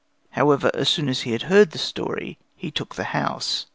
However, as soon as he heard the story he took the house.